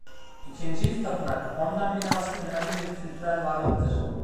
İkincil tapınak honden binası önemli bir kültürel varlıktır.